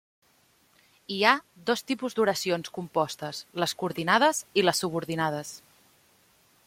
Hi ha dos tipus d'oracions compostes: les coordinades i les subordinades.